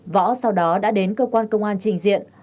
võ sau đó đã đến cơ quan công an trình diện